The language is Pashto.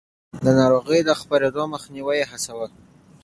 د ناروغيو د خپرېدو مخنيوی يې هڅاوه.